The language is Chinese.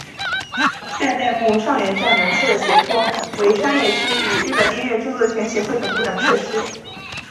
代代木上原站南侧的斜坡为商业区与日本音乐着作权协会本部等设施。